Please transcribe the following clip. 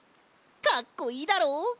かっこいいだろ？